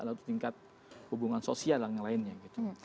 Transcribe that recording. lalu tingkat hubungan sosial dan yang lainnya gitu